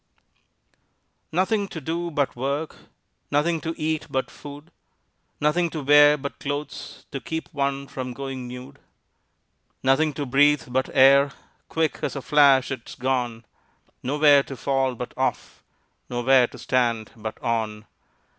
Nothing to do but work, Nothing to eat but food, Nothing to wear but clothes To keep one from going nude. Nothing to breathe but air Quick as a flash 'tis gone; Nowhere to fall but off, Nowhere to stand but on.